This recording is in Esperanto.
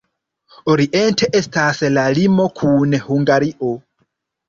Oriente estas la limo kun Hungario.